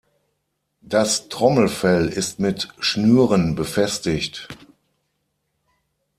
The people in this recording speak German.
Das Trommelfell ist mit Schnüren befestigt.